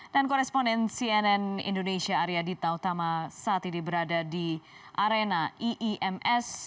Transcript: dan koresponen cnn indonesia arya dita utama saat ini berada di arena iems